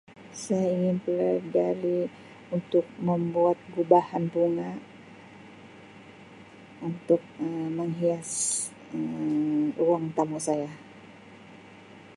Saya ingin buat dari untuk membuat gubahan bola untuk Um menghias Um ruang tamu saya.